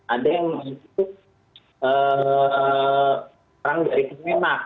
ada yang mengaku orang dari kma